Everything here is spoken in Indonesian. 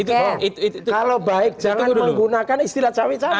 kalau baik jangan menggunakan istilah cawe cawe